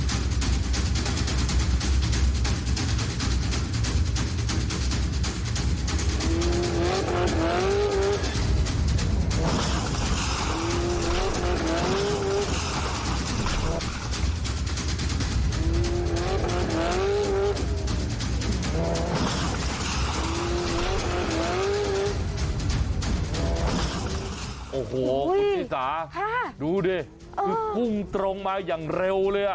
โอ้โหคุณสีสาดูดิคุ่งตรงมาอย่างเร็วเลย